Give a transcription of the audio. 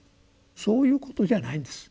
そういうことじゃないんです。